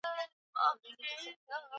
Tuingie sokoni tukanunue vyombo